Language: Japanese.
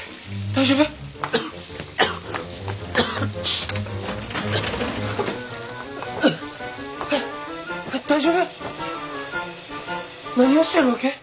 大丈夫？何をしてるわけ？